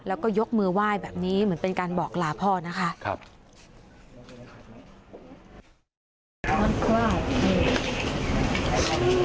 แล้วก็ยกมือไหว้แบบนี้เหมือนเป็นการบอกลาพ่อนะคะ